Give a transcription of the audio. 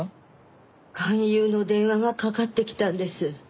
勧誘の電話がかかってきたんです。